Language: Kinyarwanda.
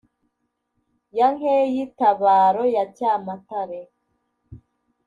ya nkey’itabaro ya cyamatare,